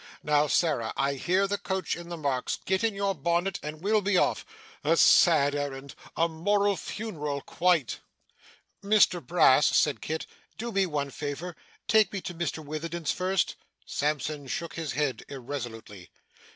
Now, Sarah, I hear the coach in the Marks; get on your bonnet, and we'll be off. A sad errand! a moral funeral, quite!' 'Mr Brass,' said Kit. 'Do me one favour. Take me to Mr Witherden's first.' Sampson shook his head irresolutely.